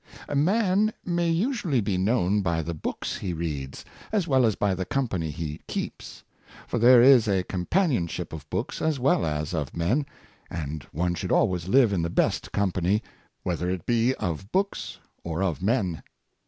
MAN may usually be known by the books he reads, as well as by the company he keeps ; for there is a companionship of books as well as of men; and one should always live in the best company, whether it be oi books or of men.